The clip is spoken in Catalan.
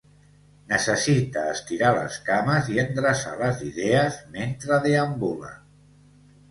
Necessita estirar les cames i endreçar les idees mentre deambula.